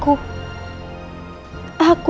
aku menyayangkan kamu